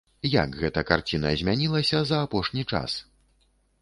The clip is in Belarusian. Як гэта карціна змянілася за апошні час?